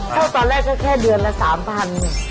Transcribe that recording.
เข้าตอนแรกแค่เดือนละ๓พัน